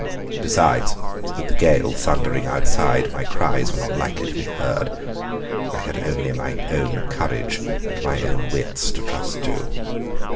Besides, with the gale thundering outside, my cries were not likely to be heard. I had only my own courage and my own wits to trust to.